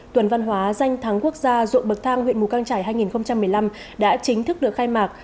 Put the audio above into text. tuần văn hóa danh thắng quốc gia ruộng bậc thang huyện mù căng trải hai nghìn một mươi năm đã chính thức được khai mạc